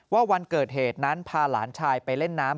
วันเกิดเหตุนั้นพาหลานชายไปเล่นน้ำ